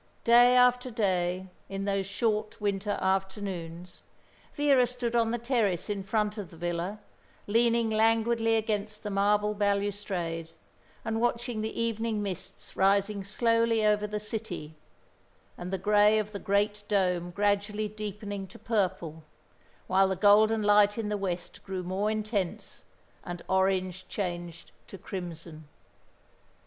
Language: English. Day after day, in those short winter afternoons, Vera stood on the terrace in front of the villa, leaning languidly against the marble balustrade, and watching the evening mists rising slowly over the city, and the grey of the great dome gradually deepening to purple, while the golden light in the west grew more intense, and orange changed to crimson.